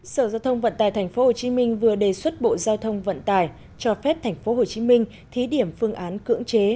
sở giao thông vận tài tp hcm vừa đề xuất bộ giao thông vận tải cho phép tp hcm thí điểm phương án cưỡng chế